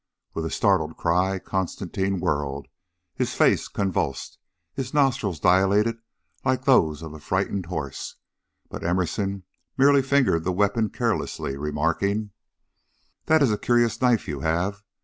With a startled cry, Constantine whirled, his face convulsed, his nostrils dilated like those of a frightened horse; but Emerson merely fingered the weapon carelessly, remarking: "That is a curious knife you have.